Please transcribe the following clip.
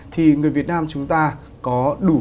thì người việt nam chúng ta có đủ